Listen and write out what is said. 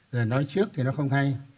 rồi nói trước thì nó không hay